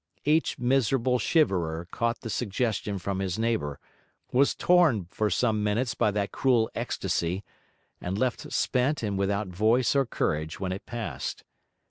Each miserable shiverer caught the suggestion from his neighbour, was torn for some minutes by that cruel ecstasy, and left spent and without voice or courage when it passed.